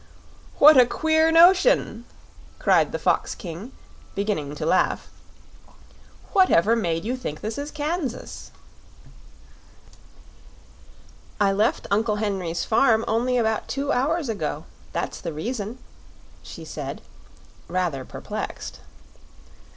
"What a queer notion!" cried the Fox King, beginning to laugh. "Whatever made you think this is Kansas?" "I left Uncle Henry's farm only about two hours ago; that's the reason," she said, rather perplexed.